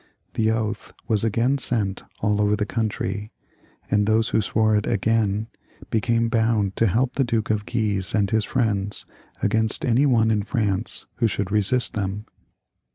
The oath was again sent all over the countiy, and those who swore it again became bound to help the Duke of Guise and his friends against any one in France who should resist them.